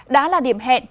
đã là điểm hẹn